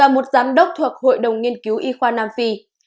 một giám đốc thuộc hội đồng nghiên cứu y khoa nam phi